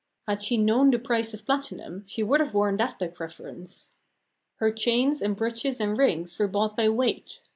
Had she known the price of platinum she would have worn that by preference. Her chains and brooches and rings were bought by weight.